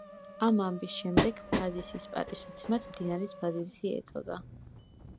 ამ ამბის შემდეგ ფაზისის პატივსაცემად მდინარეს ფაზისი ეწოდა.